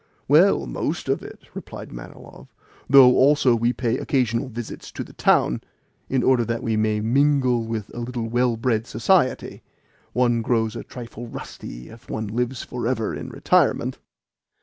"Well, most of it," replied Manilov; "though also we pay occasional visits to the town, in order that we may mingle with a little well bred society. One grows a trifle rusty if one lives for ever in retirement."